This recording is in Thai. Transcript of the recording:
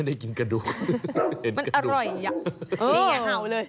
นี่ไงเขาเลย